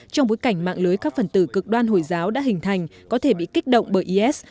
trong bối cảnh mạng lưới các phần tử cực đoan hồi giáo đã hình thành có thể bị kích động bởi is